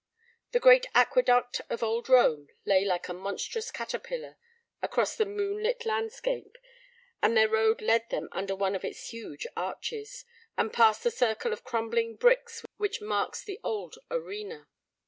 The great Aqueduct of old Rome lay like a monstrous caterpillar across the moonlit landscape, and their road led them under one of its huge arches, and past the circle of crumbling bricks which marks the old arena.